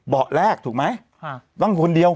แรกถูกไหมต้องคนเดียว